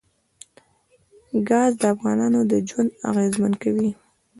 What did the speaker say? ګاز د افغانانو ژوند اغېزمن کوي.